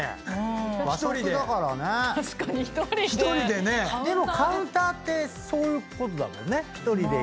でもカウンターってそういうことだもんね。